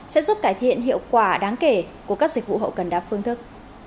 sẽ giúp cải thiện hiệu quả đáng kể của các dịch vụ hậu cần đa phương thức